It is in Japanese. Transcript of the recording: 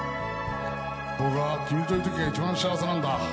「『僕は君といる時が一番幸せなんだ』」